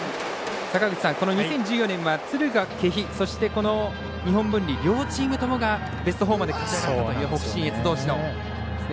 この２０１４年は敦賀気比そして日本文理両チームともがベスト４まで勝ち上がったという北信越どうしの。